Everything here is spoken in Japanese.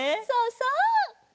そうそう！